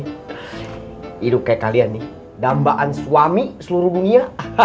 hidup kayak kalian nih dambaan suami seluruh dunia